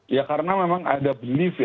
ya karena memang ada belief ya